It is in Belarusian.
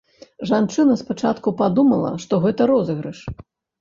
Жанчына спачатку падумала, што гэта розыгрыш.